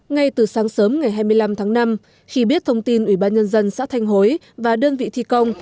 ngay từ sáng sớm ngày hai mươi năm tháng năm khi biết thông tin ủy ban nhân dân xã thanh hối và đơn vị thi công